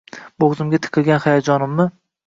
Bo’g’zimga tiqilgan hayajonimni